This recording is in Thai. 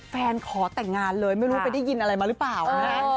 ขอแต่งงานเลยไม่รู้ไปได้ยินอะไรมาหรือเปล่านะฮะ